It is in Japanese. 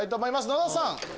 野田さん！